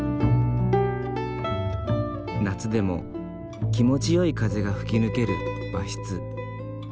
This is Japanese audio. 夏でも気持ちよい風が吹き抜ける和室。